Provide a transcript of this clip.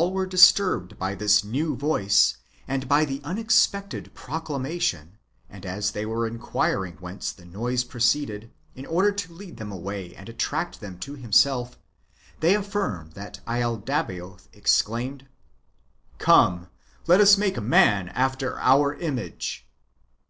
Then, as all ^Ye^e disturbed by this new voice, and by the unexpected proclamation, and as they were inquiring whence the noise proceeded, in order to lead them away and attract them to himself, they affirm that laldabaoth exclaimed, " Come, let us make man after our image."